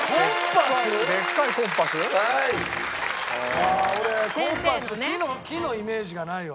ああー俺コンパス木のイメージがないわ。